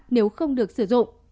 nếu không được sử dụng